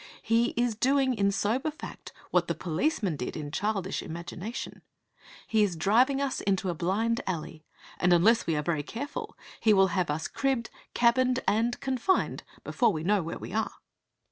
He is doing in sober fact what the policeman did in childish imagination. He is driving us into a blind alley, and, unless we are very careful, he will have us cribb'd, cabin'd, and confined before we know where we are.